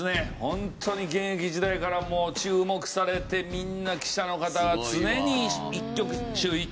ホントに現役時代からもう注目されてみんな記者の方が常に一挙手一投足。